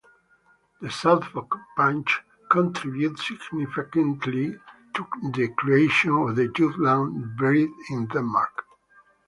The Suffolk Punch contributed significantly to the creation of the Jutland breed in Denmark.